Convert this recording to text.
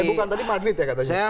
bukan tadi madrid ya katanya